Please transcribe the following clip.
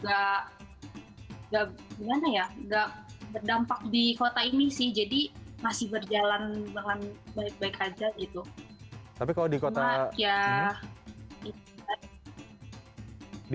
gana ya gak berdampak dikota ini sih jadi masih berjalan dengan baik baik saja itu tapi kalau di